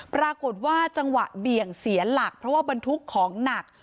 ปรากฏว่าจังหวะเบี่ยงเสียหลักเพราะว่าบรรทุกของหนัก